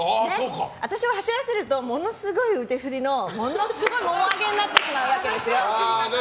私を走らせるとものすごい腕振りのものすごいもも上げになってしまうわけですよ。